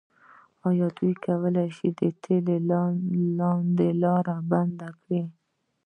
آیا دوی کولی شي د تیلو لاره بنده کړي؟